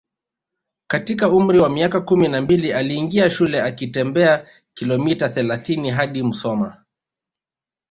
katika umri wa miaka kumi na mbili aliingia shule akitembea kilomita thelathini hadi Musoma